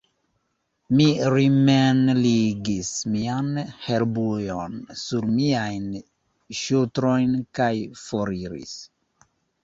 Mi rimenligis mian herbujon sur miajn ŝultrojn kaj foriris.